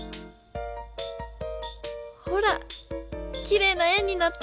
ほらきれいな円になった！